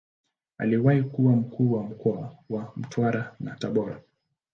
Aliwahi kuwa Mkuu wa mkoa wa Mtwara na Tabora.